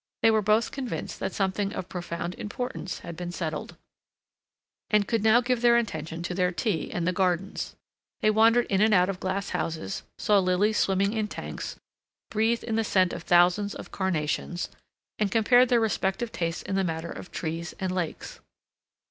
They were both convinced that something of profound importance had been settled, and could now give their attention to their tea and the Gardens. They wandered in and out of glass houses, saw lilies swimming in tanks, breathed in the scent of thousands of carnations, and compared their respective tastes in the matter of trees and lakes.